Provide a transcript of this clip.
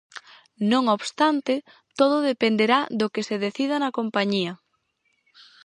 Non obstante, todo dependerá do que se decida na compañía.